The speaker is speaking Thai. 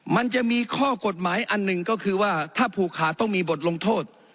มันจะมีข้อกฎหมายอันหนึ่งก็คือว่าถ้าผูกขาดต้องมีบทลงโทษ